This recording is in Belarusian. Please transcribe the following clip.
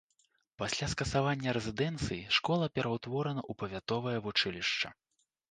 Пасля скасавання рэзідэнцыі школа пераўтворана ў павятовае вучылішча.